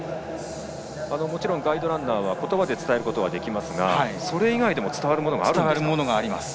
もちろんガイドランナーは言葉で伝えることはできますがそれ以外でも伝わるものがあるんですか。